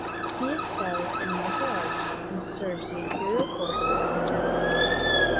He excels in martial arts and serves the imperial court as a general.